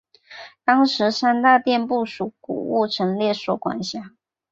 当时三大殿不属古物陈列所管辖。